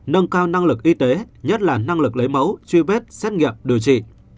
nâng cao năng lực y tế nhất là năng lực lấy mẫu truy vết xét nghiệm điều trị